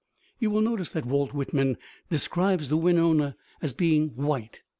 You will notice that Walt Whitman describes the Wenonah as being white.